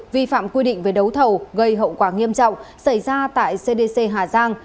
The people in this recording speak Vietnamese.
vi phạm quy định về đấu thầu gây hậu quả nghiêm trọng xảy ra tại cdc hà giang